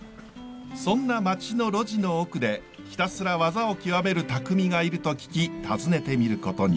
そんな町の路地の奥でひたすら技を極める匠がいると聞き訪ねてみることに。